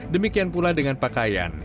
demikian pula dengan pakaian